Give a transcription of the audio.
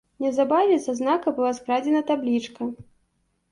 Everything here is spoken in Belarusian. Неўзабаве са знака была скрадзена таблічка.